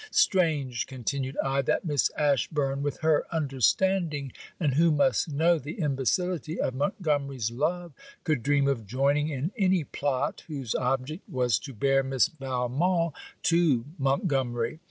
Strange,' continued I, 'that Miss Ashburn with her understanding, and who must know the imbecility of Montgomery's love, could dream of joining in any plot whose object was to bear Miss Valmont to Montgomery!'